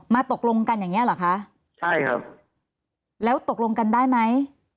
ตกลงกันอย่างเงี้เหรอคะใช่ครับแล้วตกลงกันได้ไหม